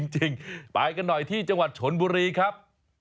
จริงไปกันหน่อยที่จังหวัดชนบุรีครับ